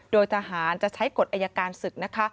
โดยทหารจะใช้กฎอัยการศึก